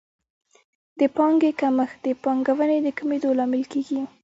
د پانګې کمښت د پانګونې د کمېدو لامل کیږي.